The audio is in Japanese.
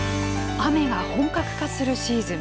雨が本格化するシーズン。